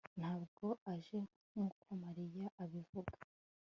Ntabwo aje nkuko Mariya abivuga